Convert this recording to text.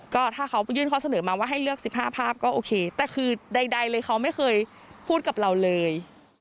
ก็ถ้าเขายื่นข้อเสนอมาว่าให้เลือก๑๕ภาพก็โอเคแต่คือใดเลยเขาไม่เคยพูดกับเราเลย